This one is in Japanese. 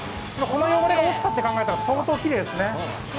この汚れが落ちたと考えたら相当きれいですね。